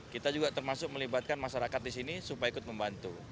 kita juga termasuk melibatkan masyarakat di sini supaya ikut membantu